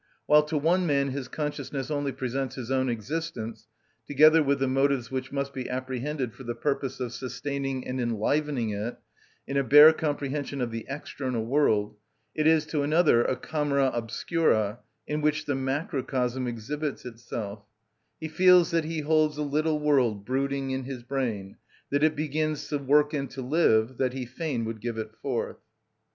While to one man his consciousness only presents his own existence, together with the motives which must be apprehended for the purpose of sustaining and enlivening it, in a bare comprehension of the external world, it is to another a camera obscura in which the macrocosm exhibits itself: "He feels that he holds a little world Brooding in his brain, That it begins to work and to live, That he fain would give it forth."